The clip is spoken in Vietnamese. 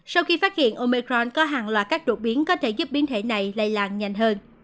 sau khi phát hiện omecron có hàng loạt các đột biến có thể giúp biến thể này lây lan nhanh hơn